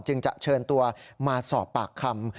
จึงจะเชิญตัวมาสอบปากคำ